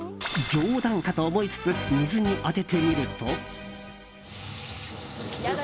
冗談かと思いつつ水に当ててみると。